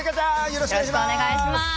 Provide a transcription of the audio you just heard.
よろしくお願いします！